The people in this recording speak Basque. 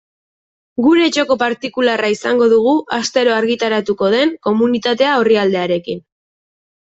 Gure txoko partikularra izango dugu astero argitaratuko den Komunitatea orrialdearekin.